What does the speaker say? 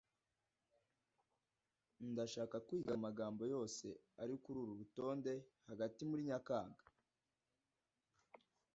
Ndashaka kwiga amagambo yose ari kururu rutonde hagati muri Nyakanga.